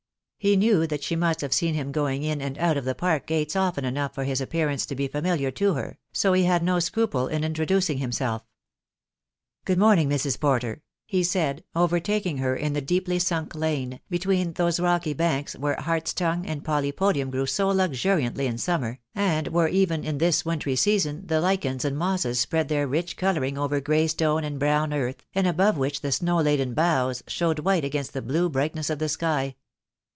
He knew that she must have seen him going in and out of the park gates often enough for his appearance to be familiar to her, so he had no scruple in introducing himself. "Good morning, Mrs. Porter," he said, overtaking her in the deeply sunk lane, between those rocky banks where harts tongue and polypodium grew so luxuriantly in summer, and where even in this wintry season the lichens and mosses spread their rich colouring over grey stone and brown earth, and above which the snow laden boughs showed white against the blue brightness of the sky.